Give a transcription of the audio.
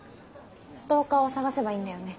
ストーカーを捜せばいいんだよね？